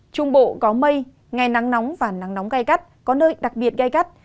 trung bộ có mây ngày nắng nóng và nắng nóng gai gắt có nơi đặc biệt gai gắt